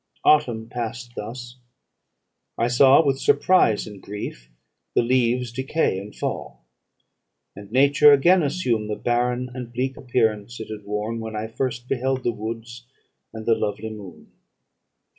"Autumn passed thus. I saw, with surprise and grief, the leaves decay and fall, and nature again assume the barren and bleak appearance it had worn when I first beheld the woods and the lovely moon.